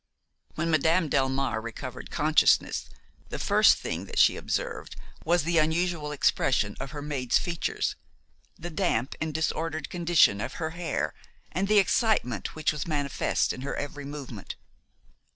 When Madame Delmare recovered consciousness, the first thing that she observed was the unusual expression of her maid's features, the damp and disordered condition of her hair and the excitement which was manifest in her every movement.